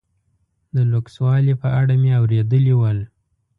د لوکسوالي په اړه مې اورېدلي ول.